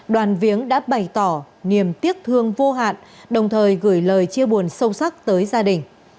đoàn viếng đã bày tỏ niềm tiếc thương vô hạn đồng thời gửi lời chia buồn sâu sắc tới gia đình